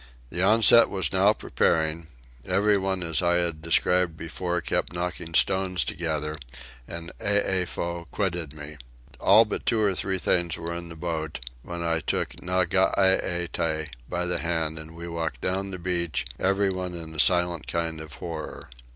The onset was now preparing; everyone as I have described before kept knocking stones together, and Eefow quitted me. All but two or three things were in the boat, when I took Nageete by the hand, and we walked down the beach, everyone in a silent kind of horror.